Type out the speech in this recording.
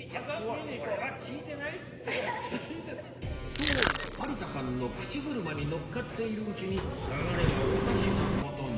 と有田さんの口車にのっかっているうちに流れがおかしな事に